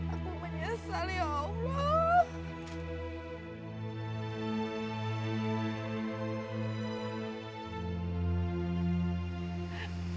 aku menyesal ya allah